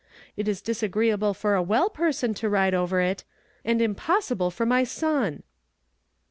It is disagreeable for a well per son to ride over it, and impossible for my son."